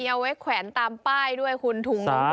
มีเอาไว้แขวนตามป้ายด้วยคุณทุงตรงตรงน้ำ